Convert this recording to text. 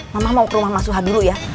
mama mau ke rumah mas suha dulu ya